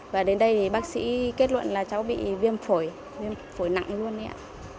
và đến đây thì bác sĩ kết luận là cháu bị viêm phổi viêm phổi nặng luôn ạ